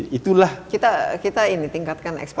kita tingkatkan ekspor kita